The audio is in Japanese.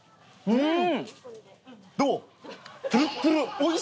うん。